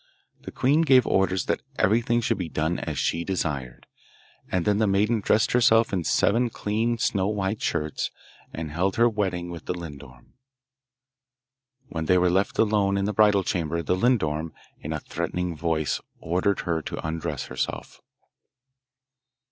The queen gave orders that everything should be done as she desired; and then the maiden dressed herself in seven clean snow white shirts, and held her wedding with the lindorm. When they were left alone in the bridal chamber the lindorm, in a threatening voice, ordered her to undress herself.